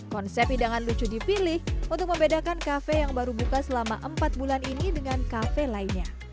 konsep hidangan lucu dipilih untuk membedakan kafe yang baru buka selama empat bulan ini dengan kafe lainnya